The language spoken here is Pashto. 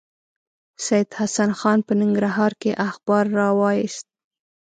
سید حسن خان په ننګرهار کې اخبار راوایست.